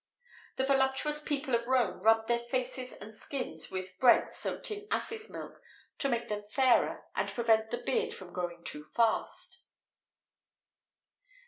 [XVIII 14] The voluptuous people of Rome rubbed their faces and skins with bread soaked in asses' milk, to make them fairer and prevent the beard from growing too fast.